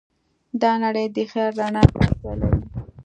دا نړۍ د خیال رڼا ته اړتیا لري.